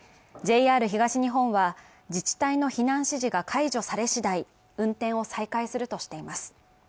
ＪＲ東日本は自治体の避難指示が解除され次第、運転を再開するとしています。